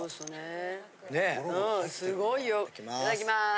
いただきます。